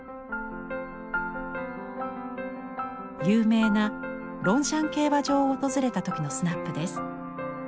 有名なロンシャン競馬場を訪れた時のスナップです。